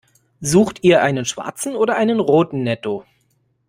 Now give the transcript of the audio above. Sucht ihr einen schwarzen oder einen roten Netto?